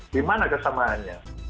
di mana kesamaannya